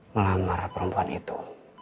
melamar perempuan itu